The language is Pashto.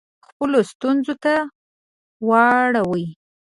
خپلو ستونزو ته واړوي.